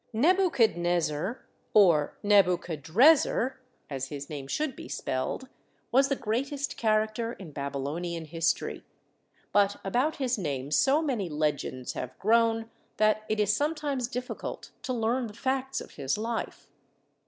Nebuchadnezzar, or Nebuchadrezzar, as his name should be spelled, was the greatest character in Babylonian history, but about his name so many legends have grown that it is sometimes difficult to learn the facts of his life.